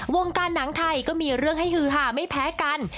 วงการหนังไทยก็มีเรื่องให้ฮือหาไม่แพ้กัน